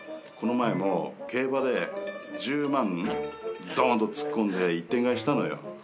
この前も競馬で１０万どんと突っ込んで一点買いしたのよ。